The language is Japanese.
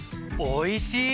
おいしい！